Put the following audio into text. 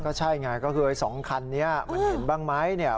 ก็ใช่ไงก็คือไอ้๒คันนี้มันเห็นบ้างไหมเนี่ย